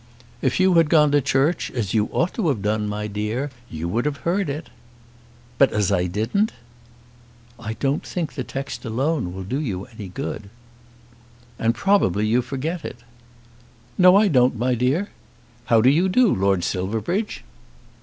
"If you had gone to church, as you ought to have done, my dear, you would have heard it." "But as I didn't?" "I don't think the text alone will do you any good." "And probably you forget it." "No, I don't, my dear. How do you do, Lord Silverbridge?"